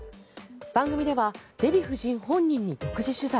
番組ではデヴィ夫人本人に独自取材。